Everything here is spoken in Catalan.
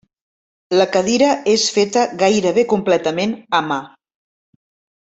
La cadira és feta gairebé completament a mà.